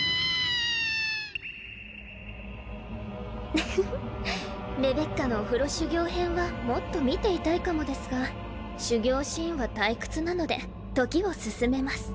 フフフっレベッカのお風呂修行編はもっと見ていたいかもですが修行シーンは退屈なので時を進めます。